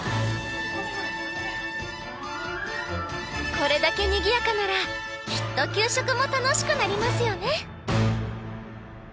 これだけにぎやかならきっと給食も楽しくなりますよね。